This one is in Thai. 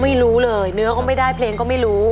ไม่รู้เลยเนื้อก็ไม่ได้เพลงก็ไม่รู้